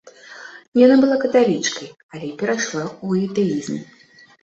Яна была каталічкай, але перайшла ў іўдаізм.